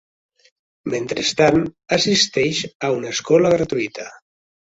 Mentrestant assisteix a una escola gratuïta.